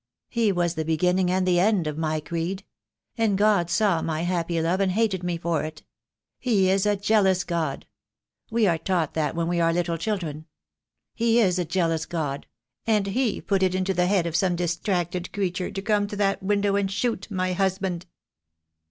He was the beginning and the end of my creed. And God saw my happy love and hated me for it. He is a jealous God. We are taught that when we are little children. He is a jealous God, and He put it into the head of some distracted creature to come to that window and shoot my husband."